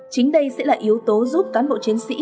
chính đây sẽ là yếu tố giúp cán bộ chiến sĩ